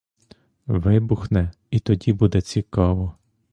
Вибухне, і тоді буде цікаво.